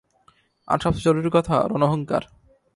আর সবচেয়ে জরুরি কথা, রণহুঙ্কার!